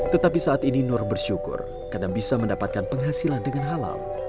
tetapi saat ini nur bersyukur kadang bisa mendapatkan penghasilan dengan halal